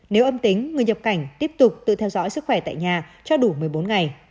nếu âm tính người nhập cảnh tiếp tục tự theo dõi sức khỏe tại nhà cho đủ một mươi bốn ngày